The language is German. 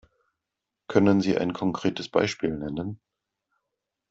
Können Sie ein konkretes Beispiel nennen?